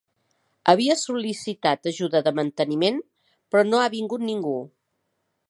Havia sol·licitat ajuda de manteniment, però no ha vingut ningú.